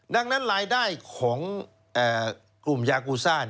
ดังนั้นรายได้ของกลุ่มยากูซ่า